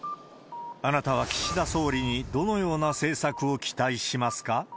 あなたは岸田総理にどのような政策を期待しますか？